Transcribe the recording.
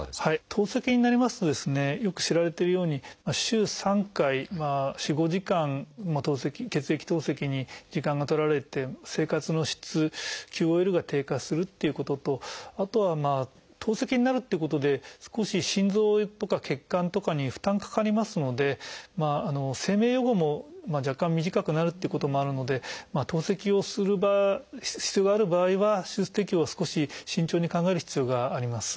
透析になりますとですねよく知られてるように週３回４５時間血液透析に時間が取られて生活の質ＱＯＬが低下するっていうこととあとは透析になるっていうことで少し心臓とか血管とかに負担かかりますので生命予後も若干短くなるっていうこともあるので透析をする必要がある場合は手術適応を少し慎重に考える必要があります。